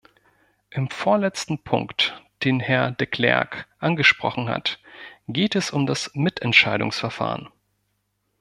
Im vorletzten Punkt, den Herr de Clercq angesprochen hat, geht es um das Mitentscheidungsverfahren.